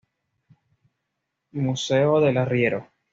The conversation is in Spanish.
Museo del Arriero.